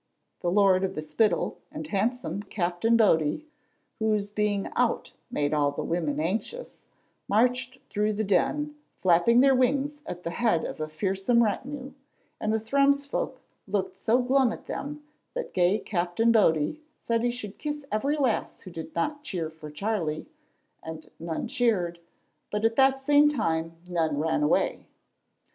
The Lord of the Spittal and handsome Captain Body (whose being "out" made all the women anxious) marched through the Den, flapping their wings at the head of a fearsome retinue, and the Thrums folk looked so glum at them that gay Captain Body said he should kiss every lass who did not cheer for Charlie, and none cheered, but at the same time none ran away.